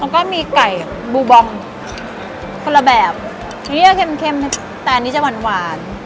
แล้วก็มีไก่บูบอมคนละแบบที่จะเค็มแต่อันนี้จะหวานหวาน